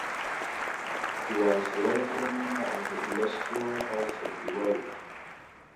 He was a lifelong member of the Industrial Workers of the World.